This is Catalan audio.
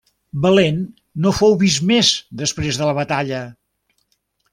Valent no fou vist més després de la batalla.